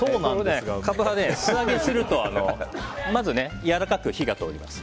カブは素揚げするとやわらかく火が通ります。